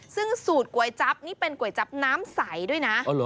ซึ่งสูตรก๋วยจั๊บนี่เป็นก๋วยจับน้ำใสด้วยนะ